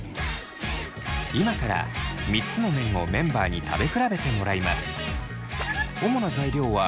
今から３つの麺をメンバーに食べ比べてもらいます。